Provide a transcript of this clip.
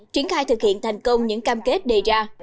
triển khai thực hiện thành công những cam kết đề ra